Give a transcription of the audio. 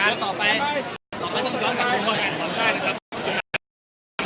นี่นะคะ